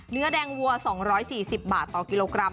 เนื้อแดงวัว๒๔๐บาทต่อกิโลกรัม